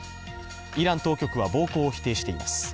イラン当局は暴行を否定しています。